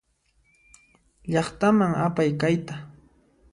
Llaqtaman apay kayta.